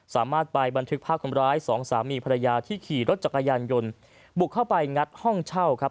สามารถไปบันทึกภาพคนร้ายสองสามีภรรยาที่ขี่รถจักรยานยนต์บุกเข้าไปงัดห้องเช่าครับ